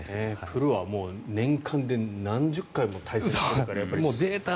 プロは年間で何十回も対戦しますから。